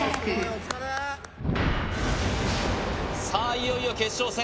いよいよ決勝戦